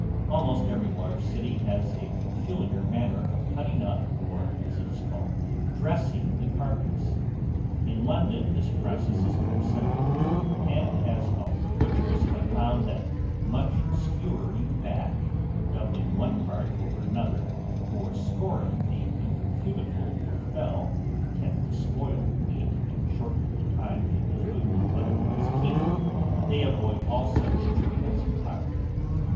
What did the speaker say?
ALMOST EVERY LARGE CITY has a particular manner of cutting up, or, as it is called, dressing the carcase. In London this process is very simple, and as our butchers have found that much skewering back, doubling one part over another, or scoring the inner cuticle or fell, tends to spoil the meat and shorten the time it would otherwise keep, they avoid all such treatment entirely.